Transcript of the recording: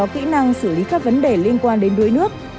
kỹ năng xử lý các vấn đề liên quan đến đuối nước